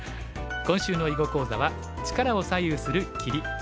今週の囲碁講座は「力を左右するキリ」。